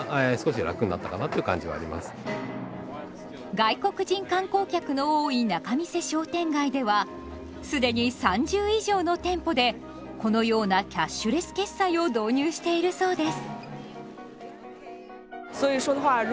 外国人観光客の多い仲見世商店街では既に３０以上の店舗でこのようなキャッシュレス決済を導入しているそうです。